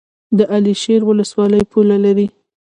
د علي شیر ولسوالۍ پوله لري